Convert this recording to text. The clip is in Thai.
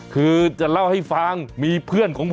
คือจะเล่าให้ฟังมีเพื่อนของผม